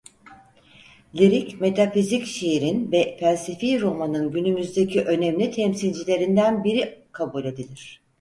Lirik-metafizik şiirin ve felsefi romanın günümüzdeki önemli temsilcilerinden biri kabul edilir.